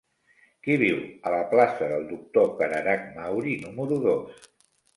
Qui viu a la plaça del Doctor Cararach Mauri número dos?